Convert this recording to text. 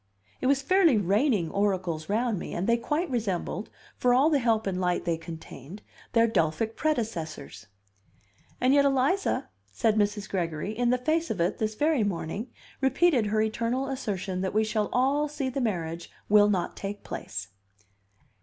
It was fairly raining oracles round me, and they quite resembled, for all the help and light they contained, their Delphic predecessors. "And yet Eliza," said Mrs. Gregory, "in the face of it, this very morning, repeated her eternal assertion that we shall all see the marriage will not take place."